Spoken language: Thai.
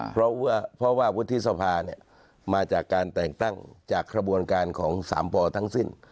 เพราะว่าวุฒิสภามาจากการแต่งตั้งจากกระบวนการของ๓ปทั้งสิ้น